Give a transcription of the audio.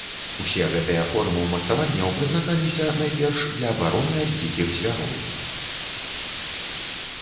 Усе гэтыя формы ўмацаванняў прызначаліся, найперш, для абароны ад дзікіх звяроў.